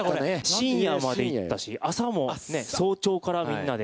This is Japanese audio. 深夜までいったし、朝も、早朝からみんなでね。